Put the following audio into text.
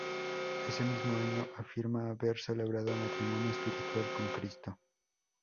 Ese mismo año afirma haber celebrado matrimonio espiritual con Cristo.